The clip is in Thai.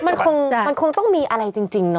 มันคงต้องมีอะไรจริงเนาะ